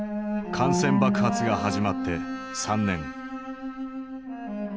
感染爆発が始まって３年。